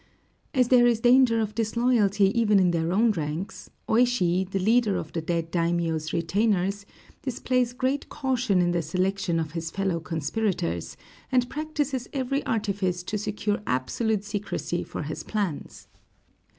As there is danger of disloyalty even in their own ranks, Oishi, the leader of the dead daimiō's retainers, displays great caution in the selection of his fellow conspirators, and practices every artifice to secure absolute secrecy for his plans.